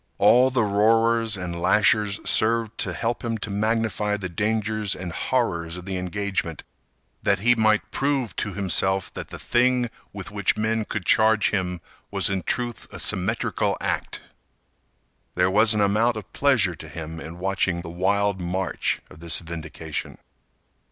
All the roarers and lashers served to help him to magnify the dangers and horrors of the engagement that he might try to prove to himself that the thing with which men could charge him was in truth a symmetrical act. There was an amount of pleasure to him in watching the wild march of this vindication.